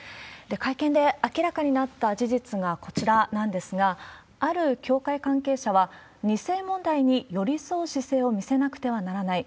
会見で明らかになった事実がこちらなんですが、ある教会関係者は、２世問題に寄り添う姿勢を見せなくてはならない。